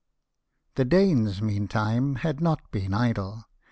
The Danes, meantime, had not been idle.